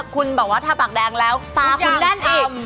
คุณแบบว่าทาปากแดงแล้วตาคุณด้านอีก